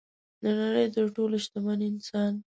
د نړۍ تر ټولو شتمن انسان